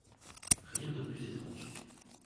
Rien de plus étrange.